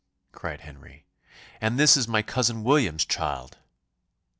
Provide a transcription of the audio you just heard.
cried Henry, "and this is my cousin William's child!"